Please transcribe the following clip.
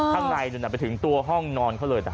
ข้างในนู่นน่ะไปถึงตัวห้องนอนเขาเลยนะ